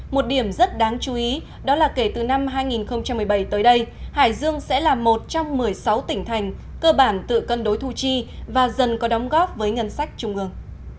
một điểm rất đáng chú ý đó là kể từ năm hai nghìn một mươi bảy tới đây hải dương sẽ là một trong một mươi sáu tỉnh thành cơ bản tự cân đối thu chi và dần có đóng góp với ngân sách trung ương